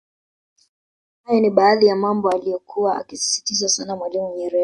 Hayo ni baadhi ya mambo aliyokua akisisitiza sana Mwalimu Nyerere